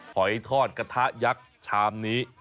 หอยทอดกระทะยักษ์ชามนี้